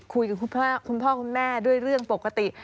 คุยกับคุณพ่อคุณแม่ด้วยเรื่องปกติ